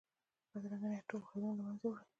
بدرنګه نیت ټول خیرونه له منځه وړي